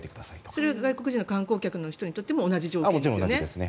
それは外国人の観光客にとっても同じ状況ですよね。